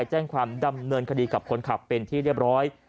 แจ้งความดำเนินคดีกับคนขับเป็นที่เรียบร้อย